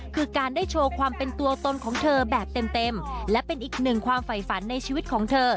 คือการได้โชว์ความเป็นตัวตนของเธอแบบเต็มและเป็นอีกหนึ่งความไฝฝันในชีวิตของเธอ